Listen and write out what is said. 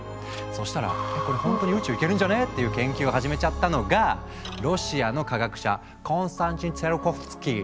そしたら「えこれほんとに宇宙行けるんじゃね？」っていう研究を始めちゃったのがロシアの科学者コンスタンチン・ツィオルコフスキー。